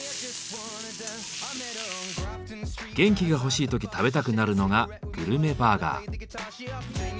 元気が欲しい時食べたくなるのがグルメバーガー。